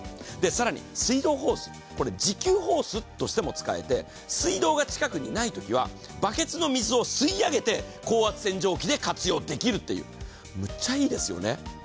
更に水道ホース、これは自吸ホースとしても使えて、水道が近くにないときはバケツの水を吸い上げて高圧洗浄機で活用できるというめっちゃいいですよね。